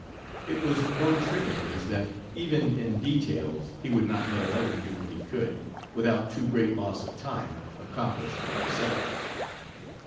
It was one trait of his, that, even in details, he would not let another do what he could, without too great loss of time, accomplish for himself.